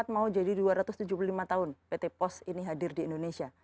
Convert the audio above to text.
dua ratus tujuh puluh empat mau jadi dua ratus tujuh puluh lima tahun pt pos ini hadir di indonesia